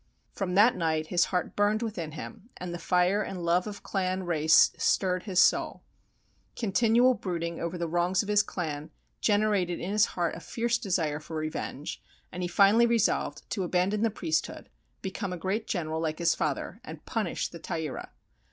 From that night his heart burned within him and the fire and love of clan race stirred his soul. Continual brooding over the wrongs of his clan generated in his heart a fierce desire for revenge, and he finally resolved to abandon the priesthood, become a great general like his father, and punish the Taira.